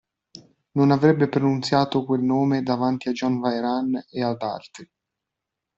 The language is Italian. Non avrebbe pronunziato quel nome davanti a John Vehrehan e ad altri.